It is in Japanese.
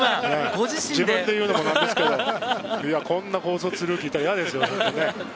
自分で言うのもなんですけど、こんな高卒ルーキーいたら嫌ですよ。